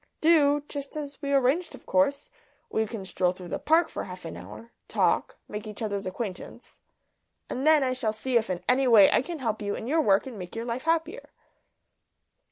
"Do? Just as we arranged of course. We can stroll through the Park for half an hour talk make each other's acquaintance. And then I shall see if in any way I can help you in your work and make your life happier."